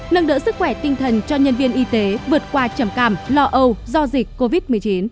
nâng đỡ sức khỏe tinh thần cho nhân viên y tế vượt qua trầm cảm lo âu do dịch covid một mươi chín